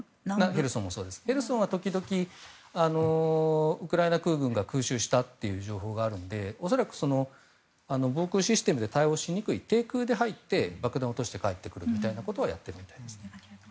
ヘルソンは時々ウクライナ空軍が空襲したという情報があるので恐らく、防空システムで対応しにくい低空で入って爆弾を落として帰ってくるみたいなことはやっているみたいですね。